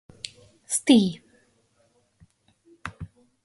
Ste.